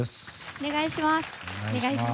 お願いします。